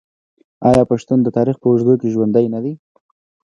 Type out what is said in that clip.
آیا پښتون د تاریخ په اوږدو کې ژوندی نه دی؟